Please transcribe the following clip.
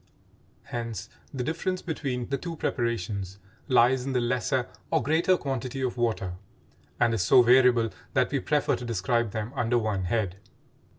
Hence the difference between the two preparations lies in the lesser or greater quantity of water, and is so variable that we prefer to describe them under one head.